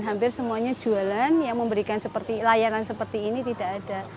hampir semuanya jualan yang memberikan seperti layanan seperti ini tidak ada